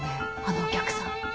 あのお客さん。